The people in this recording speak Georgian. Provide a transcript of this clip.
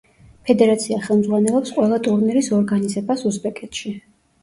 ფედერაცია ხელმძღვანელობს ყველა ტურნირის ორგანიზებას უზბეკეთში.